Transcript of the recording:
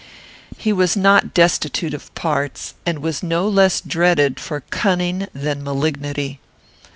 He was not destitute of parts, and was no less dreaded for cunning than malignity.